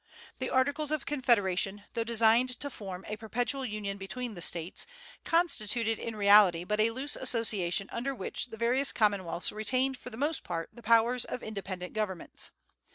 The Articles of Confederation, though designed to form a "perpetual union between the States," constituted in reality but a loose association under which the various commonwealths retained for the most part the powers of independent governments.